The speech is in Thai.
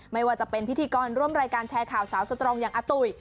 ไม่ว่าจะเป็นพิธีกรร่วมรายการแชร์ข่าวสาวสตรองอย่างอาตุ๋ย